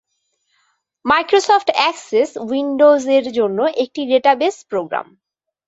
Microsoft Access উইন্ডোজের জন্য একটি ডেটাবেজ প্রোগ্রাম।